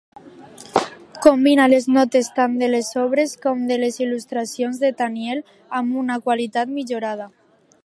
Combina les notes tant de les obres com de les il·lustracions de Tenniel amb una qualitat millorada.